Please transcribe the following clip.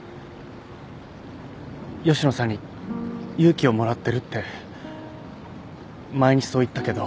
吉野さんに勇気をもらってるって前にそう言ったけど